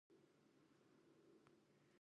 She was pregnant while in Spain.